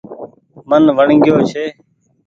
من وڻگيو ڇي۔